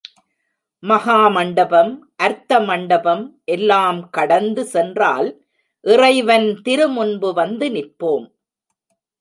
மகா மண்டபம், அர்த்த மண்டபம் எல்லாம் கடந்து சென்றால் இறைவன் திருமுன்பு வந்து நிற்போம்.